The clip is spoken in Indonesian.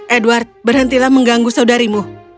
edward berhentilah mengganggu saudarimu